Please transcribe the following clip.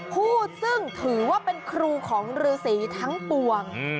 ผู้ซึ่งถือว่าเป็นครูของฤษีทั้งปวง